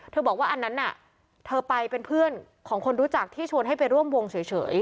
บอกว่าอันนั้นน่ะเธอไปเป็นเพื่อนของคนรู้จักที่ชวนให้ไปร่วมวงเฉย